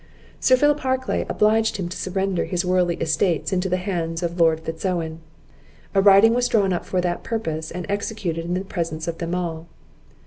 Sir Philip Harclay obliged him to surrender his worldly estates into the hands of Lord Fitz Owen. A writing was drawn up for that purpose, and executed in the presence of them all.